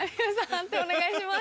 判定お願いします。